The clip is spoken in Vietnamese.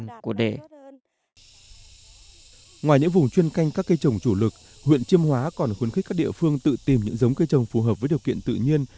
ngoài những vùng chuyên canh các cây trồng chủ lực huyện chiêm hóa còn khuyến khích các địa phương tự tìm những giống cây trồng phù hợp với điều kiện tự nhiên